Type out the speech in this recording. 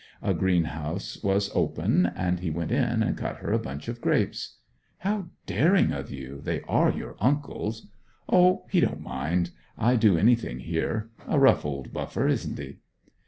A green house was open, and he went in and cut her a bunch of grapes. 'How daring of you! They are your uncle's.' 'O, he don't mind I do anything here. A rough old buffer, isn't he?'